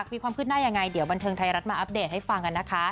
มีความคืบหน้ายังไงเดี๋ยวบันเทิงไทยรัฐมาอัปเดตให้ฟังกันนะคะ